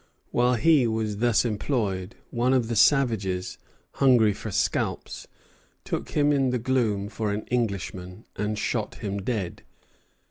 While he was thus employed, one of these savages, hungry for scalps, took him in the gloom for an Englishman, and shot him dead.